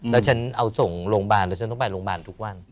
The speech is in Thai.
แล้วฉันเอาส่งโรงพยาบาลแล้วฉันต้องไปโรงพยาบาลทุกวัน